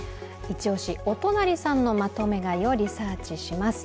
イチオシお隣さんのまとめ買いをリサーチします。